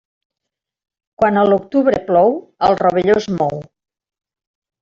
Quan a l'octubre plou, el rovelló es mou.